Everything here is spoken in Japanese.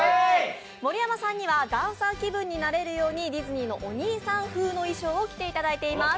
森山さんにはダンサー気分になれるように、ディズニーのお兄さん風の衣装を着ていただいています。